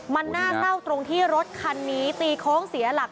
มันน่าเศร้าตรงที่รถคันนี้ตีโค้งเสียหลัก